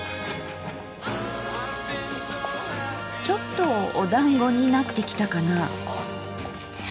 ちょっとおだんごになってきたかな？